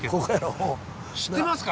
知ってますか？